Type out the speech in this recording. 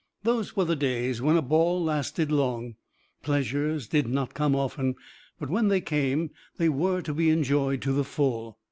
Those were the days when a ball lasted long. Pleasures did not come often, but when they came they were to be enjoyed to the full.